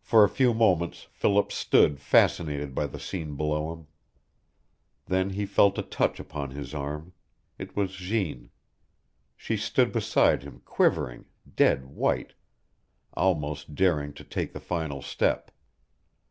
For a few moments Philip stood fascinated by the scene below him. Then he felt a touch upon his arm. It was Jeanne. She stood beside him quivering, dead white, Almost daring to take the final step.